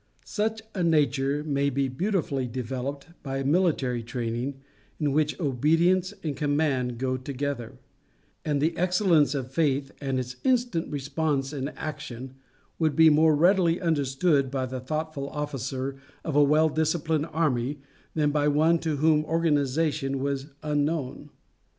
Such a nature may be beautifully developed, by a military training, in which obedience and command go together; and the excellence of faith and its instant response in action, would be more readily understood by the thoughtful officer of a well disciplined army than by any one to whom organization was unknown.